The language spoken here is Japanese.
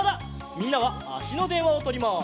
みんなはあしのでんわをとります。